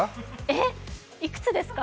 えっ、いくつですか？